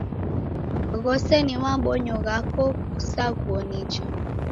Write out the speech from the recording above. Ghose ni mabonyo ghako kusaghuo nicha.